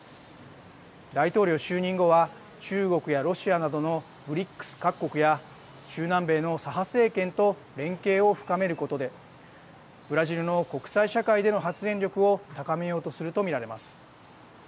大統領就任後は中国やロシアなどのＢＲＩＣＳ各国や中南米の左派政権と連携を深めることでブラジルの国際社会での発言力を高めようとすると見られます。